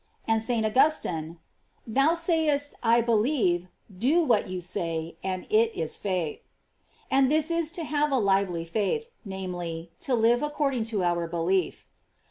§ And St. Augustine: Thou sayest," I believe," do what you say, and it is faith. || And this is to have a lively faith, namely, to live according to our belief.